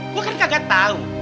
gue kan kagak tau